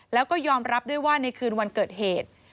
แล้วก็ยอมรับด้วยว่าในคืนวันเกิดเหตุ